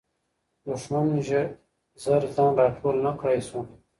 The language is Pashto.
دښمن زر ځان را ټول نه کړی سو.